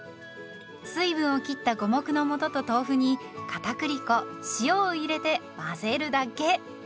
水分を切った五目のもとと豆腐にかたくり粉塩を入れて混ぜるだけ。